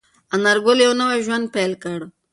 انارګل یو نوی ژوند پیل کړ.